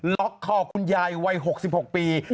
ล็อกคอคุณยายวัย๖๖ปี